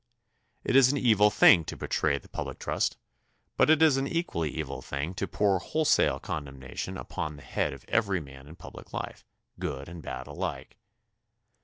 It is an evil thing to betray the public trust, but it is an equally evil thing to pour wholesale condemnation upon the head of every man in public life, good and bad alike.